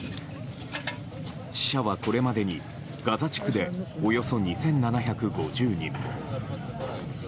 死者は、これまでにガザ地区でおよそ２７５０人。